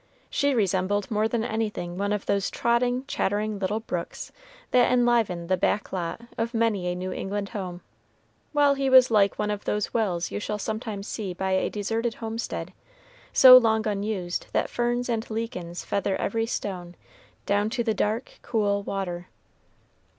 She resembled more than anything one of those trotting, chattering little brooks that enliven the "back lot" of many a New England home, while he was like one of those wells you shall sometimes see by a deserted homestead, so long unused that ferns and lichens feather every stone down to the dark, cool water.